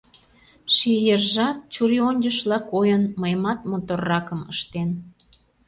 Ший ержат, чурийончышла койын, Мыйымат моторракым ыштен.